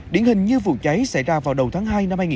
điển hình như vụ cháy xảy ra vào đầu tháng hai